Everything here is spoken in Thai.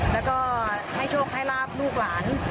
แล้วก็ให้โชคให้ลาบลูกหลาน